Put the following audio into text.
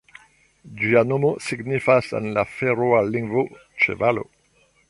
Ĝia nomo signifas en la feroa lingvo "ĉevalo".